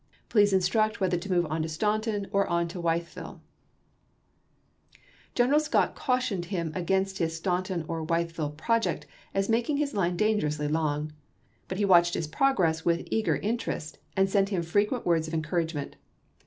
Please instruct whether to move on Staunton or on to Wytheville." General Scott cautioned him against his Staun ton or Wytheville project as making his line danger ously long ; but he watched his progress with eager interest and sent him frequent words of encourage ment.